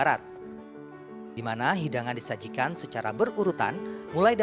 ruang sukarno dikatakan sebagai ruang utama